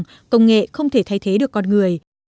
nhưng công nghệ không thể thay thế được con người